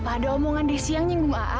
apa ada omongan desi yang nyinggung a'a